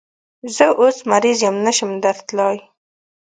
زه اوس مریض یم، نشم درتلای